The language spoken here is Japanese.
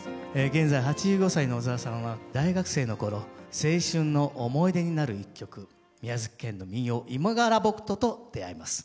現在８５歳の小澤さんは大学生のころ青春の思い出になる一曲宮崎県の民謡「いもがらぼくと」と出会います。